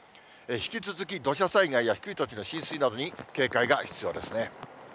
引き続き土砂災害や低い土地の浸水などに警戒が必要ですね。